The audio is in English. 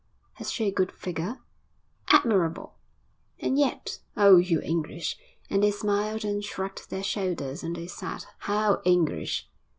'Has she a good figure?' 'Admirable!' 'And yet Oh, you English!' And they smiled and shrugged their shoulders as they said, 'How English!'